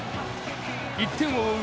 １点を追う